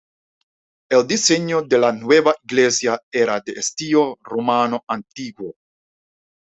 El diseño de la nueva iglesia era de estilo romano antiguo.